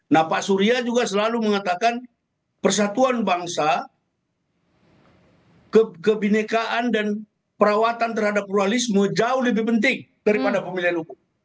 nah pak surya juga selalu mengatakan persatuan bangsa kebinekaan dan perawatan terhadap pluralisme jauh lebih penting daripada pemilihan umum